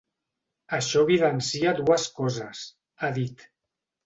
Això evidencia dues coses –ha dit–.